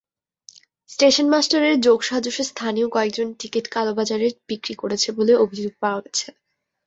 স্টেশনমাস্টারের যোগসাজশে স্থানীয় কয়েকজন টিকিট কালোবাজারে বিক্রি করছে বলে অভিযোগ পাওয়া গেছে।